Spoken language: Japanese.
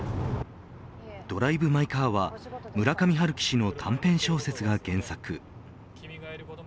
ドライブ・マイ・カーは村上春樹氏の短編小説が原作。